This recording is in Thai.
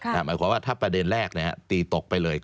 หมายความว่าถ้าประเด็นแรกเนี่ย